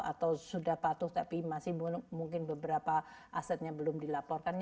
atau sudah patuh tapi masih mungkin beberapa asetnya belum dilaporkan